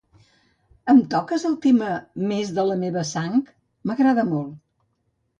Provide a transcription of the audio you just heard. Em toques el tema "Més que la meva sang"? m'agrada molt.